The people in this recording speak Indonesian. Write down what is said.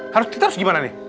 harus kita harus gimana nih